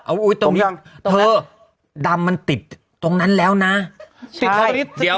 เอ้าตรงนี้ตรงนี้เธอดำมันติดตรงนั้นแล้วนะใช่เดี๋ยว